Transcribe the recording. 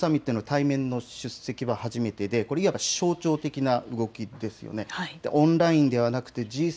Ｇ７サミットの対面の出席は初めてでいわば象徴的な動きですよね。